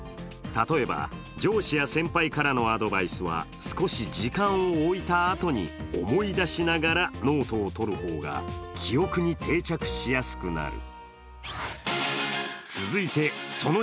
例えば上司や先輩からのアドバイスは少し時間をおいたあとに思い出しながらノートを取る方が記憶に定着しやすくなる。